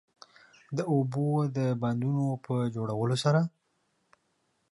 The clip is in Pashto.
د اوبو د بندونو په جوړولو سره